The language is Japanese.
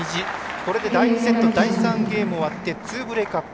これで第２セット第３ゲーム終わって２ブレークアップ